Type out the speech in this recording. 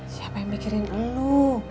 siapa yang mikirin elu